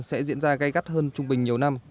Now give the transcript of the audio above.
sẽ diễn ra gây gắt hơn trung bình nhiều năm